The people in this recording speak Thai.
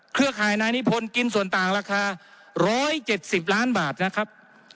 ข่ายนายนิพนธ์กินส่วนต่างราคา๑๗๐ล้านบาทนะครับ